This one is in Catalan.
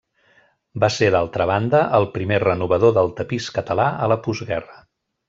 Va ser d'altra banda el primer renovador del tapís català a la postguerra.